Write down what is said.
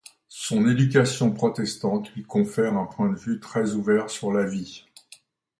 Son éducation protestante lui confère un point de vue très ouvert sur la vie.